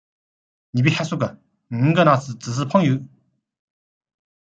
你别瞎说，我和他只是朋友